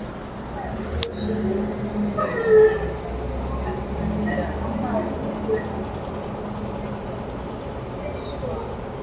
shoga Uislam ndio dini yenye wafuasi wengi Zanzibar na ngono ya jinsia moja iliharamishwa